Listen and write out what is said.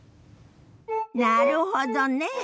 なるほどね。